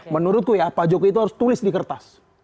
menurutku ya pak jokowi itu harus tulis di kertas